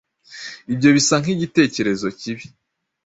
Ibyo bisa nkigitekerezo kibi.